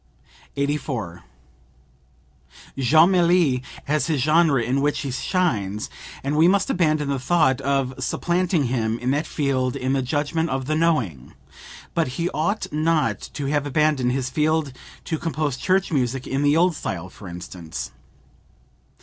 84. "Jomelli has his genre in which he shines, and we must abandon the thought of supplanting him in that field in the judgment of the knowing. But he ought not to have abandoned his field to compose church music in the old style, for instance."